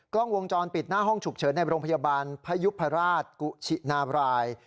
กล้องวงจรปิดหน้าห้องฉุกเฉินในโรงพยาบาลพยุพราชกุชินาบราย